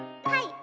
はい！